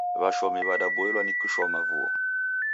W'ashomi w'adaboilwa ni kushoma vuo.